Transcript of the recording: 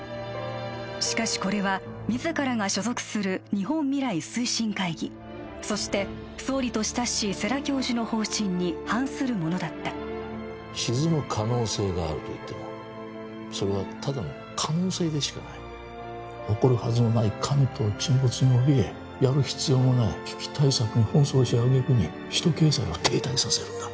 しかしこれは自らが所属する日本未来推進会議そして総理と親しい世良教授の方針に反するものだった沈む可能性があるといってもそれはただの可能性でしかない起こるはずもない関東沈没におびえやる必要もない危機対策に奔走し揚げ句に首都経済を停滞させるんだ